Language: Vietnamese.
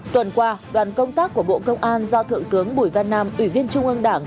tuần qua đoàn công tác của bộ công an do thượng tướng bùi văn nam ủy viên trung ương đảng